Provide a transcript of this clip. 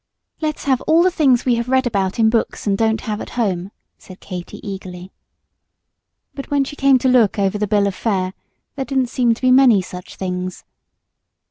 "Let's have all the things we have read about in books and don't have at home," said Katy, eagerly. But when she came to look over the bill of fare there didn't seem to be many such things.